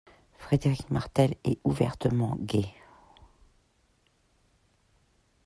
Frédéric Martel est ouvertement gay.